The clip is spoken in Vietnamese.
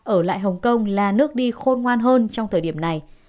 ở lại hồng kông là nước đi khôn ngoan hơn trong thời điểm này